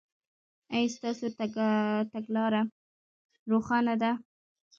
ایا ستاسو تګلاره روښانه ده؟